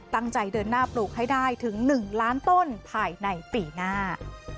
ตั้งใจเดินหน้าปลูกให้ได้ถึง๑ล้านต้นภายในปีหน้า